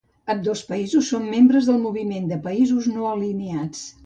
Ambdós països són membres del Moviment de Països No Alineats.